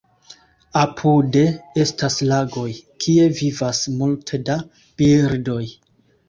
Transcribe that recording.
Apude estas lagoj, kie vivas multe da birdoj.